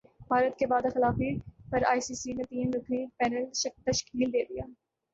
بھارت کی وعدہ خلافی پر ائی سی سی نے تین رکنی پینل تشکیل دیدیا